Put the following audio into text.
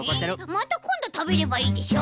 またこんどたべればいいでしょ？